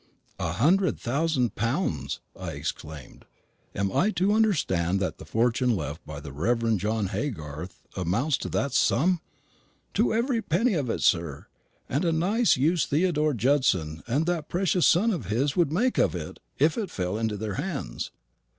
"A hundred thousand pounds!" exclaimed I; "am I to understand that the fortune left by the Reverend John Haygarth amounts to that sum?" "To every penny of it, sir; and a nice use Theodore Judson and that precious son of his would make of it if it fell into their hands."